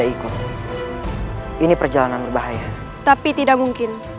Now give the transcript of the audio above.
akan kubuat kau tidak ikut ini perjalanan berbahaya tapi tidak mungkin